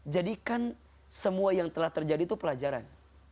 jadikan semua yang telah terjadi itu pelajaran